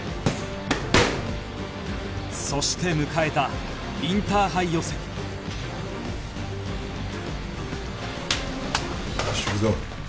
そして迎えたインターハイ予選よしいくぞ。